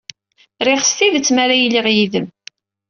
Riɣ s tidet mi ara iliɣ yid-m.